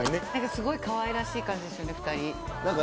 すごくかわいらしい感じですよね。